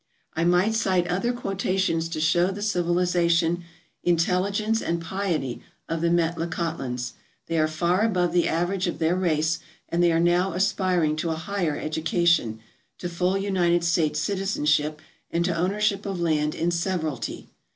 I might cite other quotations to show the civilization, intelligence, and piety of the Metlakahtlans. They are far above the average of their race and they are now aspiring to a higlfer education, to full United States citizenship, and to ownership of land in severally.